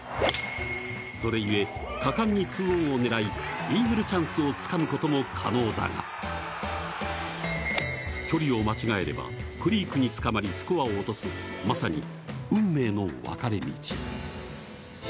それゆえ、果敢に２オンを狙いイーグルチャンスをつかむことも可能だが、距離を間違えれば、クリークにつかまりスコアを落とすまさに運命の分れ道。